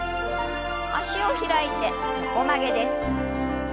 脚を開いて横曲げです。